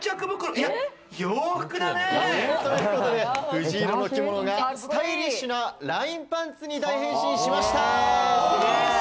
藤色の着物がスタイリッシュなラインパンツに大変身しました。